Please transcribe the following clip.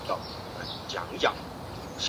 马岭竹为禾本科簕竹属下的一个种。